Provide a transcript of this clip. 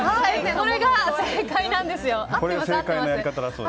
これが正解なんですよ。